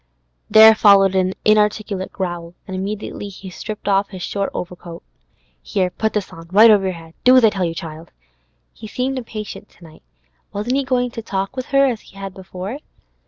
There followed an inarticulate growl, and immediately he stripped off his short overcoat. 'Here, put this on, right over your head. Do as I tell you, child!' He seemed impatient to night. Wasn't he going to talk with her as before?